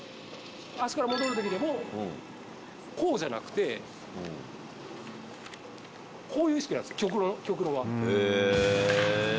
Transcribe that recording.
足から戻るときでも、こうじゃなくて、こういう意識なんです、極論は。